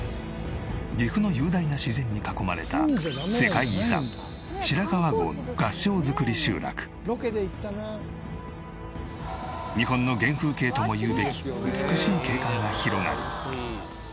岐阜の雄大な自然に囲まれた日本の原風景とも言うべき美しい景観が広がり。